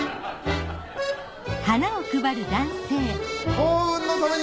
幸運のために